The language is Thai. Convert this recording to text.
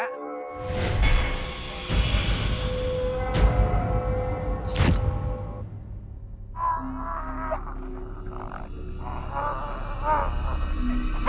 เอาง่ายวะผมนึกออกละ